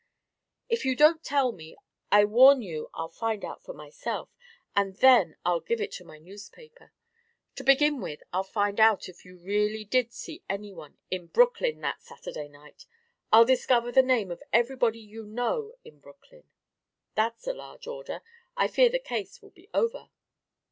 "If you don't tell me, I warn you I'll find out for myself. And then I'll give it to my newspaper. To begin with, I'll find out if you really did see any one in Brooklyn that Saturday night. I'll discover the name of everybody you know in Brooklyn." "That's a large order. I fear the case will be over."